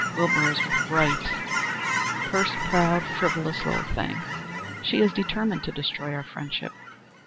"Wilbur is right; purse proud, frivolous little thing! She is determined to destroy our friendship."